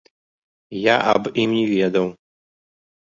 Я аб ім не ведаў.